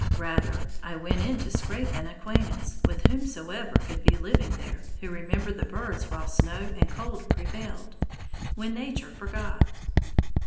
Rather I went in to scrape an acquaintance with whomsoever could be living there who remembered the birds while snow and cold prevailed, when Nature forgot.